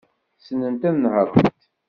Ssnent ad nehṛent.